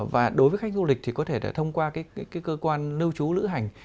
và đối với khách du lịch thì có thể thông qua cơ quan lưu trú lữ hành